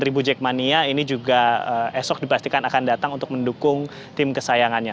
dan ribu jackmania ini juga esok dipastikan akan datang untuk mendukung tim kesayangannya